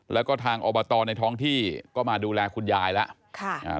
แล้วก็ทางอบตในท้องที่ก็มาดูแลคุณยายแล้ว